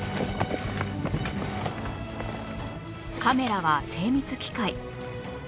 カメラは精密機械